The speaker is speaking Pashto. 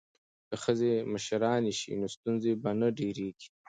که ښځې مشرانې شي نو ستونزې به نه ډیریږي.